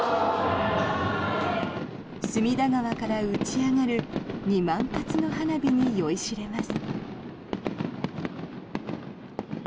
隅田川から打ち上がる２万発の花火に酔いしれます。